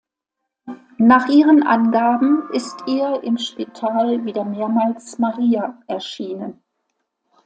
Nach ihren Angaben ist ihr im Spital wieder mehrmals Maria erschienen.